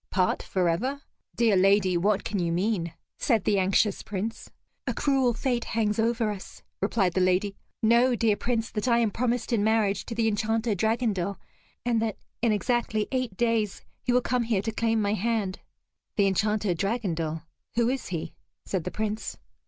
"Part forever? Dear lady, what can you mean?" said the anxious Prince. "A cruel fate hangs over us," replied the lady. "Know, dear Prince, that I am promised in marriage to the Enchanter Dragondel, and that in exactly eight days, he will come here to claim my hand." "The Enchanter Dragondel who is he?" said the Prince.